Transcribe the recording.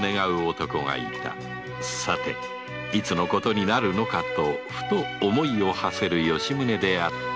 さていつのことになるのかとふと思いを馳せる吉宗であった